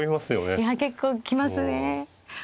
いや結構来ますね。